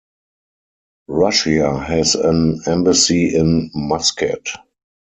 Russia has an embassy in Muscat.